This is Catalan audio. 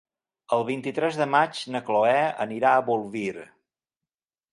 El vint-i-tres de maig na Cloè anirà a Bolvir.